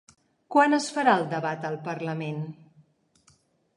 Quan es farà el debat al parlament?